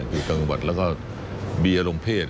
อยู่ต่างจังหวัดแล้วก็บีหรมเพศ